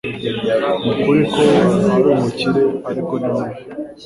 Nukuri ko ari umukire, ariko ni mubi.